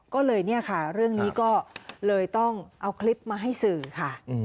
ก็เลยเนี่ยค่ะเรื่องนี้ก็เลยต้องเอาคลิปมาให้สื่อค่ะ